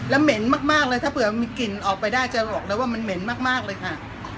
แล้วเหม็นมากเลยถ้าเผื่อมีกลิ่นออกไปได้จะบอกเลยว่ามันเหม็นมากเลยค่ะ